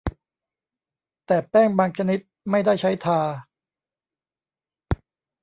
แต่แป้งบางชนิดไม่ได้ใช้ทา